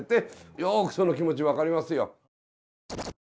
よくその気持ち分かりますよ。